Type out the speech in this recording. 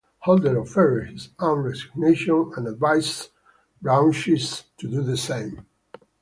Halder offered his own resignation and advised Brauchitsch to do the same.